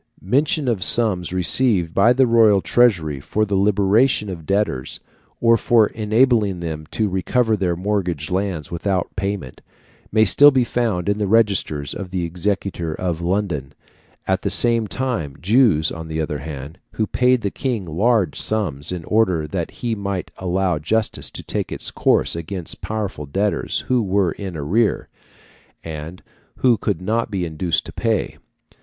Mention of sums received by the royal treasury for the liberation of debtors, or for enabling them to recover their mortgaged lands without payment, may still be found in the registers of the Exchequer of London; at the same time, Jews, on the other hand, also paid the King large sums, in order that he might allow justice to take its course against powerful debtors who were in arrear, and who could not be induced to pay.